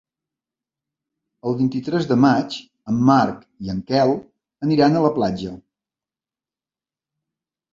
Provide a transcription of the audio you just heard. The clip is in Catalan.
El vint-i-tres de maig en Marc i en Quel aniran a la platja.